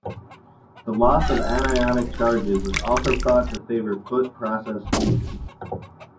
The loss of anionic charges is also thought to favor foot process fusion.